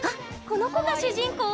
この子が主人公？